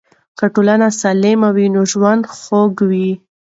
که ټولنه سالمه وي نو ژوند خوږ دی.